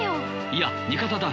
いや味方だ。